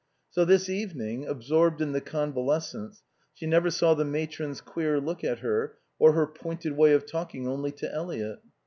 So this evening, absorbed in the convalescents, she never saw the matron's queer look at her or her pointed way of talking only to Eliot.